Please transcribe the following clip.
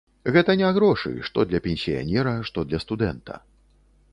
Гэта не грошы, што для пенсіянера, што для студэнта.